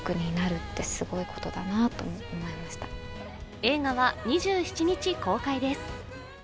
映画は２７日公開です。